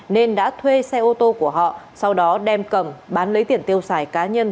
nên đã thuê xe ô tô của họ sau đó đem cầm bán lấy tiền tiêu xài cá nhân